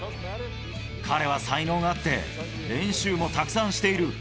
彼は才能があって、練習もたくさんしている。